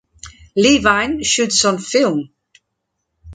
Levine shoots on film.